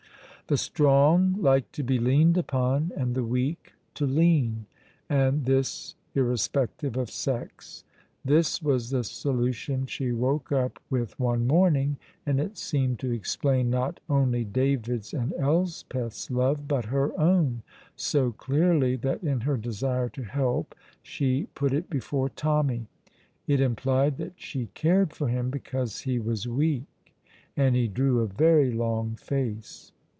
The strong like to be leaned upon and the weak to lean, and this irrespective of sex. This was the solution she woke up with one morning, and it seemed to explain not only David's and Elspeth's love, but her own, so clearly that in her desire to help she put it before Tommy. It implied that she cared for him because he was weak, and he drew a very long face.